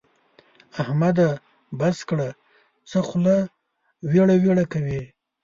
احمده! بس کړه؛ څه خوله ويړه ويړه کوې.